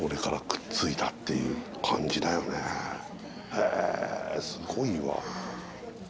へえすごいわ。